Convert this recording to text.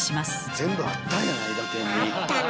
全部あったんやな「いだてん」に。